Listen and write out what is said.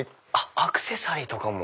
アクセサリーとかも。